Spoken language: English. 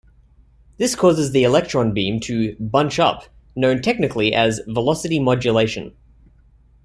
This causes the electron beam to "bunch up", known technically as "velocity modulation".